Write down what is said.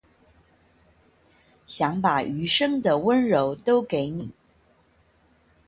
想把餘生的溫柔都給你